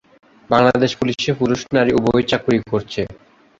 বাংলাদেশ পুলিশে পুরুষ-নারী উভয়ই চাকুরী করছে।